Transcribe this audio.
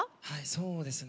そうですね。